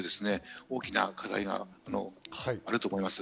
大きな課題があると思います。